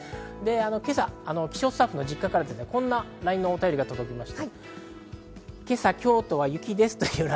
今朝、気象スタッフが実家からこんなＬＩＮＥのおたよりが届きました。